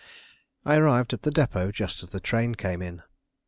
I arrived at the depot just as the train came in.